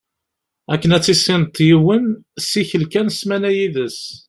Akken ad tissineḍ yiwen, ssikel kan ssmana yid-s.